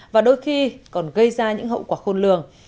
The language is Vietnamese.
và đôi khi còn gây ra những hậu quả khôn lường